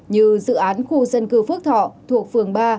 như dự án khu dân cư phước thọ thuộc phường ba